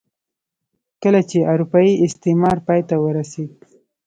کله چې اروپايي استعمار پای ته ورسېد.